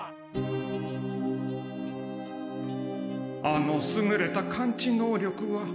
あのすぐれた感知能力は。